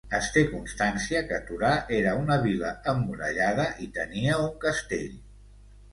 Es té constància que Torà era una vila emmurallada i tenia un castell.